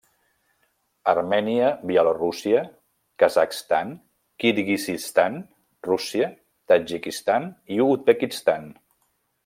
Armènia, Bielorússia, Kazakhstan, Kirguizistan, Rússia, Tadjikistan i Uzbekistan.